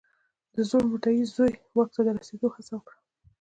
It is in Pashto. د زوړ مدعي زوی واک ته د رسېدو هڅه وکړه.